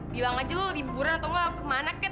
bilang aja lo liburan atau kemana kat